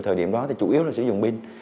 thời điểm đó thì chủ yếu là sử dụng pin